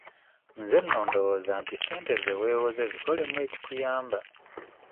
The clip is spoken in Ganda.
Nze nno ndowooza nti ssente ze weewoze zikolemu ekikuyamba.